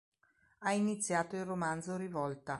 Ha iniziato il romanzo "Rivolta".